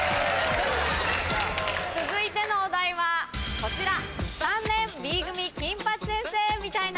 続いてのお題はこちら。